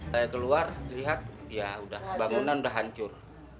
saya keluar lihat ya bangunan sudah hancur